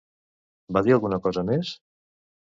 Va dir alguna cosa més?